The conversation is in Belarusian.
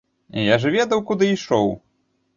Я ж ведаў, куды ішоў.